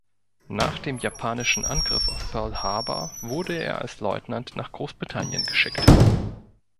Nach dem japanischen Angriff auf Pearl Harbor wurde er als Leutnant nach Großbritannien geschickt.